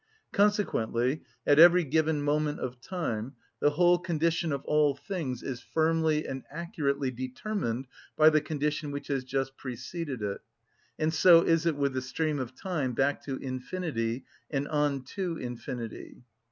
Consequently, at every given moment of time, the whole condition of all things is firmly and accurately determined by the condition which has just preceded it, and so is it with the stream of time back to infinity and on to infinity.